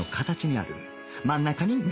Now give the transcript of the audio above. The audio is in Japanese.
真ん中に麺